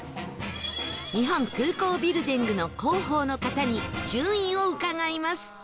日本空港ビルデングの広報の方に順位を伺います